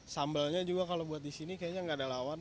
sambalnya juga kalau buat di sini kayaknya nggak ada lawan